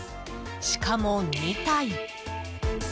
しかも２体。